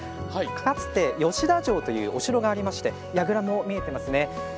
かつて、吉田城というお城がありましてやぐらも見えていますね。